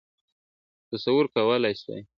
تصور کولای سوای ..